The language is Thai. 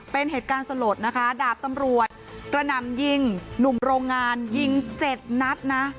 เป็นเหตุการณ์สลดนะคะดาบตำรวจกระหน่ำยิงหนุ่มโรงงานยิงเจ็ดนัดนะ